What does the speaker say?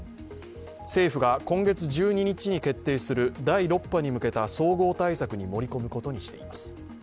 政府が今月１２日に決定する第６波に向けた総合対策に盛り込むことにしています。